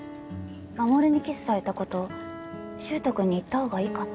衛にキスされたこと柊人君に言った方がいいかな？